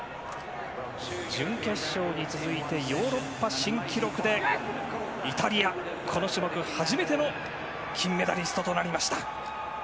準決勝に続いてヨーロッパ新記録でイタリア、この種目、初めての金メダリストとなりました。